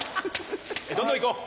どんどんいこう！